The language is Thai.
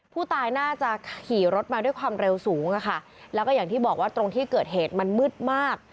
ผู้ตายน่าจะขี่รถมาด้วยความเร็วสูงค่ะแล้วก็อย่างที่บอกว่าตรงที่เกิดเหตุมันมืดมาก